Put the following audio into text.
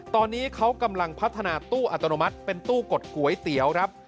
ตอนนี้เขากำลังพัฒนาตู้อัตโนมัติเป็นตู้กดก๋วยเตี๋ยวครับ